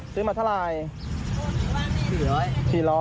ซื้อมาเท่าไหร่